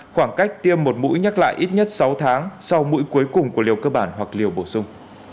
khoảng cách tiêm một mũi nhắc lại ít nhất sáu tháng sau mũi cuối cùng của liều cơ bản hoặc liều bổ sung